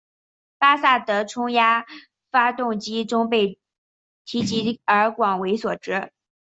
巴萨德冲压发动机中被提及而广为所知。